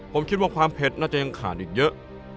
ผมคิดว่าความเผ็ดน่าจะยังขาดอีกเยอะ